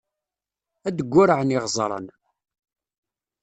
Ad d-ggurɛen iɣeẓṛan.